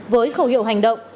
với khẩu hiệu hành động